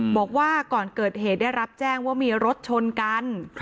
บอกว่าก่อนเกิดเหตุได้รับแจ้งว่ามีรถชนกัน